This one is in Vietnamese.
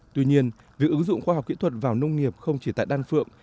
tuy nhiên việc ứng dụng khoa học kỹ thuật vào nông nghiệp không chỉ tại đan phượng